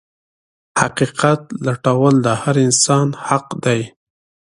حقيقت لټول د هر انسان حق دی.